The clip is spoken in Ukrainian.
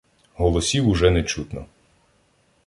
Голосів уже не чутно.